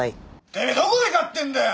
てめえどこで買ってんだよ！